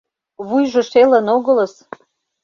Вуйжо шелын огылыс.